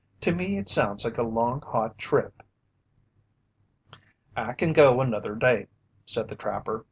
"To me it sounds like a long, hot trip." "I kin go another day," said the trapper.